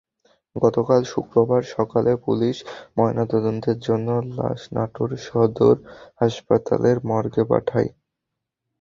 গতকাল শুক্রবার সকালে পুলিশ ময়নাতদন্তের জন্য লাশ নাটোর সদর হাসপাতালের মর্গে পাঠায়।